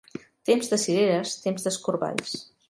Temps de cireres, temps d'escorballs.